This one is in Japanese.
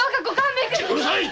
うるさい！